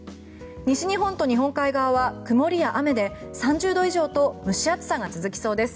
西日本と日本海側は曇りや雨で３０度以上と蒸し暑さが続きそうです。